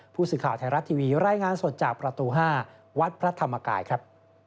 ผู้สื่อข่าวไทยรัฐทีวีรายงานสดจากประตู๕วัดพระธรรมกายครับ